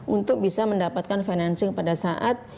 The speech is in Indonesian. untuk bisa mendapatkan financing pada saat